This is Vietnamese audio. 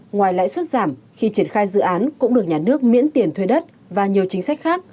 ngoài lãi suất giảm khi triển khai dự án cũng được nhà nước miễn tiền thuê đất và nhiều chính sách khác